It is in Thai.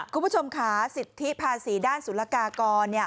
คุณผู้ชมค่ะสิทธิภาษีด้านสุรกากร